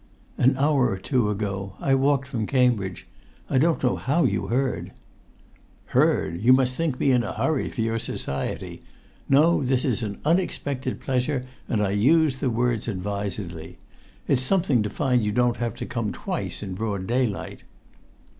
"An hour or two ago. I walked from Cambridge. I don't know how you heard!" [Pg 93]"Heard? You must think me in a hurry for your society! No, this is an unexpected pleasure, and I use the words advisedly. It's something to find you don't come twice in broad daylight."